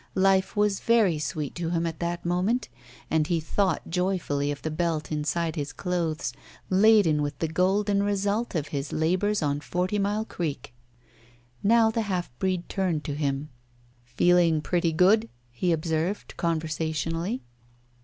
Life was very sweet to him at that moment, and he thought joyfully of the belt inside his clothes laden with the golden result of his labours on Forty Mile Creek. Now the half breed turned to him. "Feeling pretty good?" he observed, conversationally.